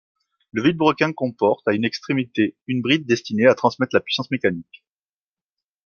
Le vilebrequin comporte, à une extrémité une bride destinée à transmettre la puissance mécanique.